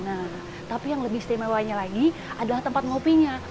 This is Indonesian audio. nah tapi yang lebih setemanya lagi adalah tempat ngopinya